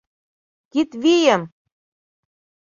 Кид вийым!